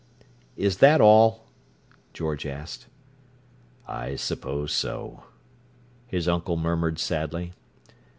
"Is that all?" George asked. "I suppose so," his uncle murmured sadly.